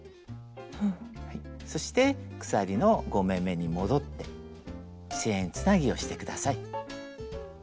そして鎖の５目めに戻ってチェーンつなぎをして下さい。